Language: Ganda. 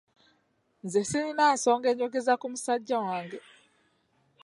Nze sirina nsonga enjogeza ku musajja wange.